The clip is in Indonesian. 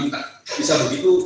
tidak bisa begitu